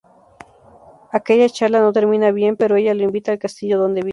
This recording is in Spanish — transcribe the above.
Aquella charla no termina bien pero ella lo invita al castillo donde vive.